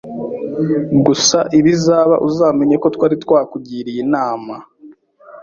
gusa ibizaba uzamenye ko twari twakugiriye inama